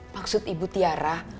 maksud ibu tiara